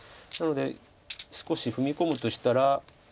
なので少し踏み込むとしたら。